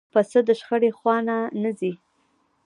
پسه د شخړې خوا نه ځي.